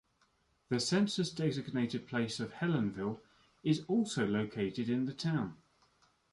The census-designated place of Helenville is also located in the town.